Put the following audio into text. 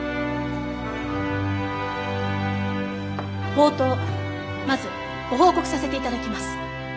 冒頭まずご報告させて頂きます。